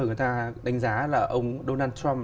người ta đánh giá là ông donald trump